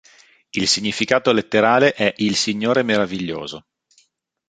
Il significato letterale è "il signore meraviglioso".